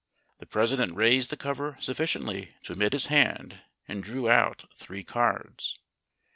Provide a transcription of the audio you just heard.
The President raised the cover sufficiently to admit his hand and drew out three cards.